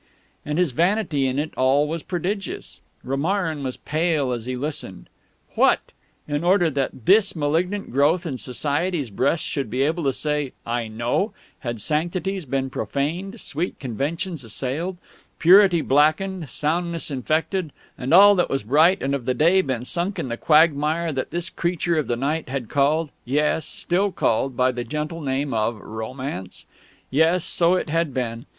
And his vanity in it all was prodigious. Romarin was pale as he listened. What! In order that this malignant growth in Society's breast should be able to say "I know," had sanctities been profaned, sweet conventions assailed, purity blackened, soundness infected, and all that was bright and of the day been sunk in the quagmire that this creature of the night had called yes, stilled called by the gentle name of Romance? Yes, so it had been.